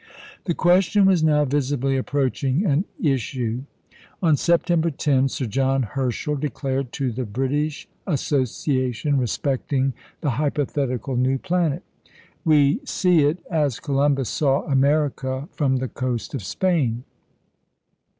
The question was now visibly approaching an issue. On September 10, Sir John Herschel declared to the British Association respecting the hypothetical new planet: "We see it as Columbus saw America from the coast of Spain.